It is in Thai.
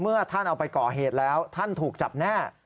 เมื่อท่านเอาไปก่อเหตุแล้วท่านถูกจับแน่